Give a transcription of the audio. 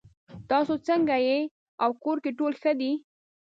تاسو څنګه یې او کور کې ټول ښه دي